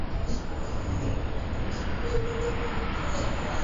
ngorongoro ilitengwa kama hifadhi ya pekee